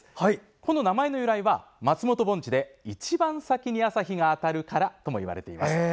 この名前の由来は松本盆地で一番先に朝日が当たるからともいわれています。